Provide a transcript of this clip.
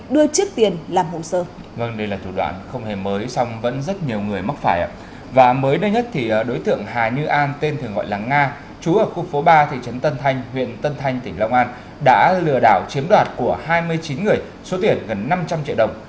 đối tượng hà như an tên thường gọi là nga trú ở khu phố ba thị trấn tân thanh huyện tân thanh tỉnh long an đã lừa đảo chiếm đoạt của hai mươi chín người số tiền gần năm trăm linh triệu đồng